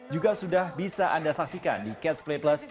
juga sudah bisa anda saksikan di catch play plus